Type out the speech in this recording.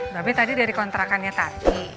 tapi tadi dari kontrakannya tadi